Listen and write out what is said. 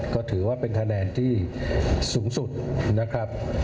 ก็ถือว่าเป็นคะแนนที่สูงสุดนะครับ